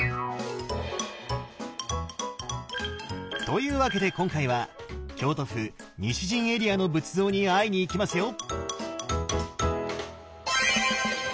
というわけで今回は京都府西陣エリアの仏像に会いに行きますよ！